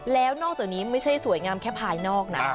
แล้วนอกจากนี้ไม่ใช่สวยงามแค่ภายนอกนะ